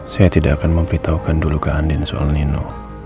saya tidak akan memberitahukan dulu ke andin soal nino